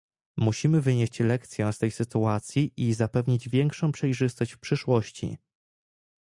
Musimy wynieść lekcję z tej sytuacji i zapewnić większą przejrzystość w przyszłości